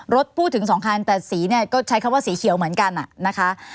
รถพูดถึงสองคันแต่สีก็ใช้คำว่าสีเขียวเหมือนกัน